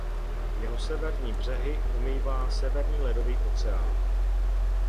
Jeho severní břehy omývá Severní ledový oceán.